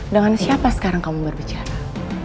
dengan siapa sekarang kamu berbicara